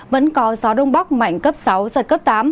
vẫn có gió đông bắc mạnh cấp sáu giật cấp tám